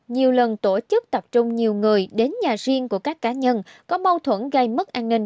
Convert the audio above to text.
nhiều lần tổ chức tập trung nhiều người đến nhà riêng của các cá nhân có mâu thuẫn gây mất an ninh